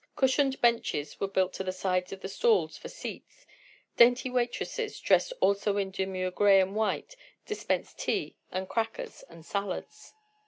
Cushioned benches were built to the sides of the stalls for seats; dainty waitresses, dressed also in demure gray and white, dispensed tea, and crackers and salads.